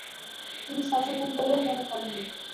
তিনি সচেতন বলেও মনে করেননি।